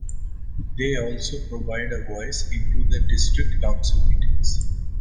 They also provide a voice into the district council meetings.